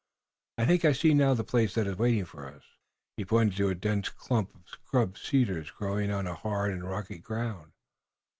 I think I see now the place that is waiting for us." He pointed to a dense clump of scrub cedars growing on hard and rocky ground.